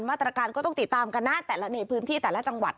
มาตรการก็ต้องติดตามกันนะแต่ละในพื้นที่แต่ละจังหวัด